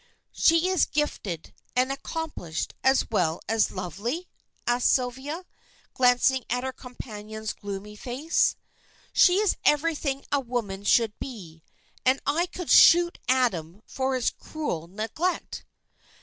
"She is gifted and accomplished, as well as lovely?" asked Sylvia, glancing at her companion's gloomy face. "She is everything a woman should be, and I could shoot Adam for his cruel neglect."